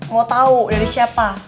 mau tau dari siapa